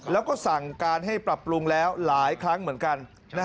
แล้วก็สั่งการให้ปรับปรุงแล้วหลายครั้งเหมือนกัน